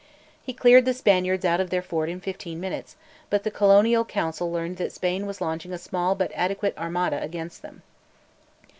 He cleared the Spaniards out of their fort in fifteen minutes, but the Colonial Council learned that Spain was launching a small but adequate armada against them.